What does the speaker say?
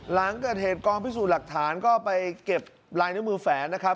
หลังเกิดเหตุกองพิสูจน์หลักฐานก็ไปเก็บลายนิ้วมือแฝนนะครับ